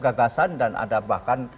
gagasan dan ada bahkan